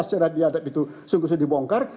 secara biadab itu sungguh sungguh dibongkar